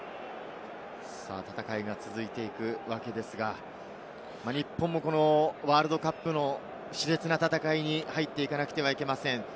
戦いが続いていくわけですが、日本もこのワールドカップのし烈な戦いに入っていかなくてはいけません。